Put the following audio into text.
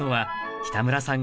北村さん。